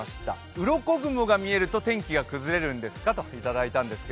うろこ雲が見えると天気が崩れるんですか？といただいたんです。